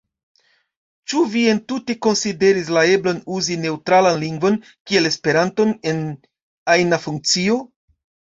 Ĉu vi entute konsideris la eblon uzi neŭtralan lingvon, kiel Esperanton, en ajna funkcio?